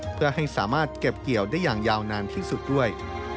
เพื่อให้สามารถเก็บเกี่ยวได้อย่างยาวนานที่สุดด้วย